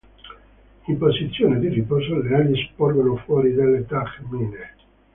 In posizione di riposo le ali sporgono fuori dalle tegmine.